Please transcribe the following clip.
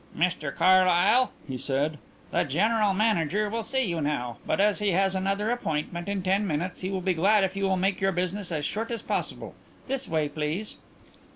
"Mr Carlyle?" he said. "The General Manager will see you now, but as he has another appointment in ten minutes he will be glad if you will make your business as short as possible. This way, please."